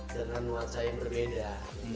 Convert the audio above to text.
dengan nuansa yang berbeda